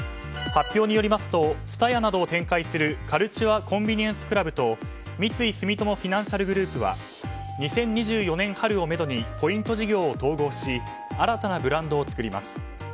発表によりますとＴＳＵＴＡＹＡなどを展開するカルチュア・コンビニエンス・クラブと三井住友フィナンシャルグループは２０２４年春をめどにポイント事業を統合し新たなブランドを作ります。